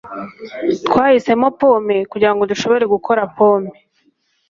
Twahisemo pome kugirango dushobore gukora pome.